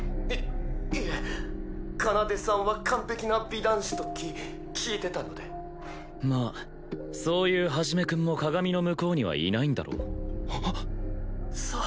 いいえ奏さんは完璧な美男子とき聞いてたのでまあそういう一君も鏡の向こうにはいないんだろ？さ